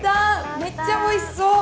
めっちゃおいしそう。